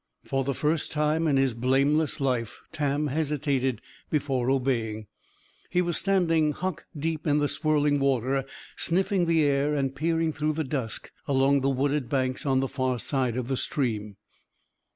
For the first time in his blameless life, Tam hesitated before obeying. He was standing, hock deep, in the swirling water; sniffing the air and peering through the dusk along the wooded banks on the far side of the stream.